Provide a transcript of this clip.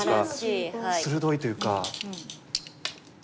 鋭いというか。